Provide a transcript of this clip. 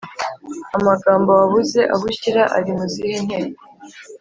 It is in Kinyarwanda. amagambo wabuze aho ushyira ari mu zihe nteko?